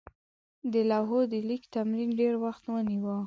د لوحو د لیک تمرین ډېر وخت ونیوه.